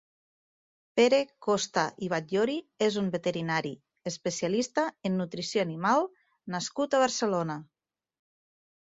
Pere Costa i Batllori és un veterinari, especialista en nutrició animal nascut a Barcelona.